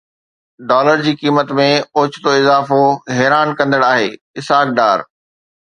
dollar جي قيمت ۾ اوچتو اضافو حيران ڪندڙ آهي: اسحاق ڊار